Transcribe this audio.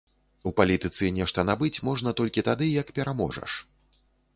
У палітыцы нешта набыць можна толькі тады, як пераможаш.